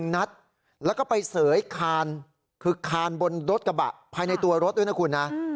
นัดแล้วก็ไปเสยคานคือคานบนรถกระบะภายในตัวรถด้วยนะคุณนะ